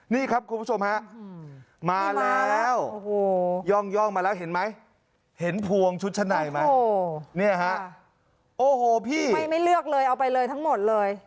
นี่ครับคุณผู้ชมฮะมาแล้วย่องมาแล้วเห็นไหมเห็นพวงชุดชั้นในไหมเนี่ยฮะโอ้โหพี่ไม่เลือกเลยเอาไปเลยทั้งหมดเลย